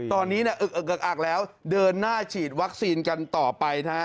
ตอนนี้อึกอึกอักแล้วเดินหน้าฉีดวัคซีนกันต่อไปนะฮะ